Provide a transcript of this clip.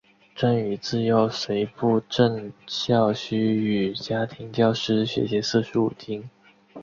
郑禹自幼随父郑孝胥与家庭教师学习四书五经。